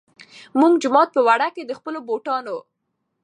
مونږ جومات پۀ ورۀ کښې د خپلو بوټانو